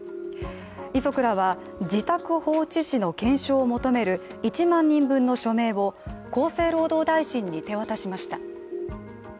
遺族らは自宅放置死の現象を求める１万人分の署名を厚生労働大臣に手渡しました。